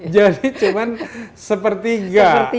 jadi cuma sepertiga